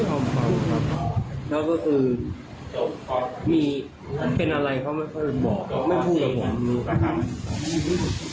เป็นอะไรเขาก็บอกไม่พูดกับผมครับ